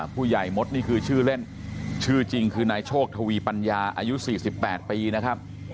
มดนี่คือชื่อเล่นชื่อจริงคือนายโชคทวีปัญญาอายุ๔๘ปีนะครับ